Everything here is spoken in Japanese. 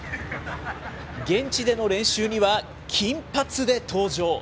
現地での練習には金髪で登場。